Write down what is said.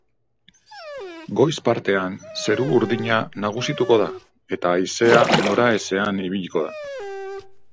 Goiz partean zeru urdina nagusituko da eta haizea noraezean ibiliko da.